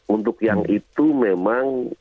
untuk yang itu memang